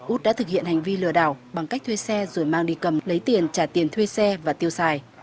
út đã thực hiện hành vi lừa đảo bằng cách thuê xe rồi mang đi cầm lấy tiền trả tiền thuê xe và tiêu xài